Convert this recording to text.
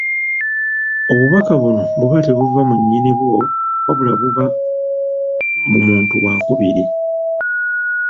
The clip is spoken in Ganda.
Obubaka buno buba tebuva mu nnyinibwo wabula buba mu muntu wakubiri.